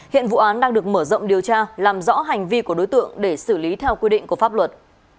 hiện vụ án đang được mở rộng điều tra làm rõ hành vi của đối tượng để xử lý theo quy định của pháp luật